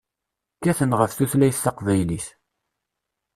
Kkaten ɣef tutlayt taqbaylit.